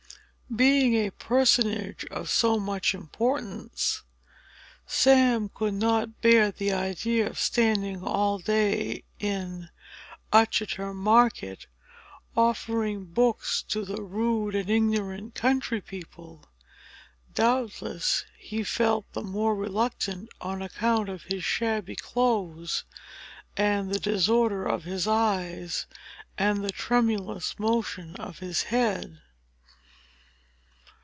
Being a personage of so much importance, Sam could not bear the idea of standing all day in Uttoxeter market, offering books to the rude and ignorant country people. Doubtless he felt the more reluctant on account of his shabby clothes, and the disorder of his eyes, and the tremulous motion of his head.